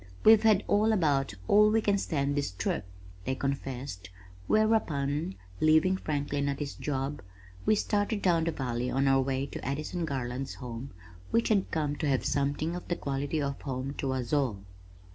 "We've had about all we can stand this trip," they confessed, whereupon, leaving Franklin at his job, we started down the valley on our way to Addison Garland's home which had come to have something of the quality of home to us all.